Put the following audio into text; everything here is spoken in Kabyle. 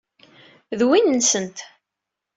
D win-nsent.